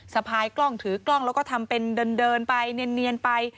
สะพายกล้องถือกล้องแล้วก็ทำเป็นเดินไปเนียนไป